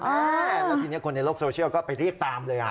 แล้วทีนี้คนในโลกโซเชียลก็ไปรีบตามเลย